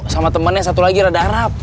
sama temennya satu lagi rada arab